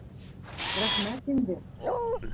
Рәхмәт инде.